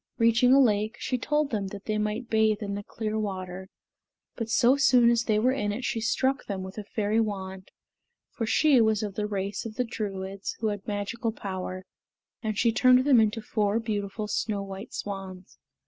Reaching a lake, she told them that they might bathe in the clear water; but so soon as they were in it she struck them with a fairy wand, for she was of the race of the Druids, who had magical power, and she turned them into four beautiful snow white swans.